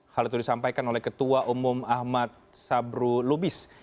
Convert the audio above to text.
hal itu disampaikan oleh ketua umum ahmad sabru lubis